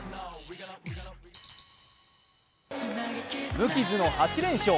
無傷の８連勝。